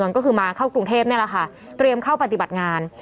ก็คือมาเข้ากรุงเทพนี่แหละค่ะเตรียมเข้าปฏิบัติงาน